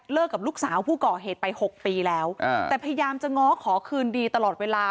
กับลูกสาวผู้ก่อเหตุไปหกปีแล้วแต่พยายามจะง้อขอคืนดีตลอดเวลา